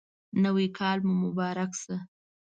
نوی کال مو مبارک شه